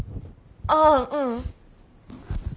ああううん。